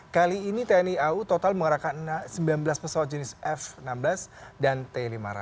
kali ini tni au total mengarahkan sembilan belas pesawat jenis f enam belas dan t lima ratus